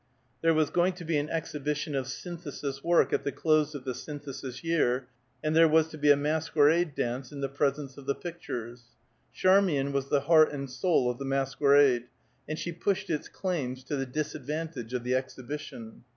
There was going to be an exhibition of Synthesis work at the close of the Synthesis year, and there was to be a masquerade dance in the presence of the pictures. Charmian was the heart and soul of the masquerade, and she pushed its claims to the disadvantage of the exhibition.